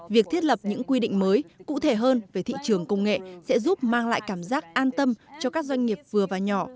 việc thiết lập những quy định mới cụ thể hơn về thị trường công nghệ sẽ giúp mang lại cảm giác an tâm cho các doanh nghiệp vừa và nhỏ